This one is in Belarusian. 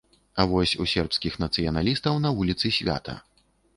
А вось у сербскіх нацыяналістаў на вуліцы свята.